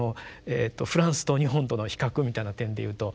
フランスと日本との比較みたいな点で言うと。